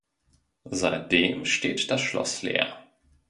Seitdem steht das Schloss leer.